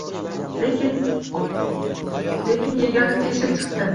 Lekin yegani teshib chiqdi.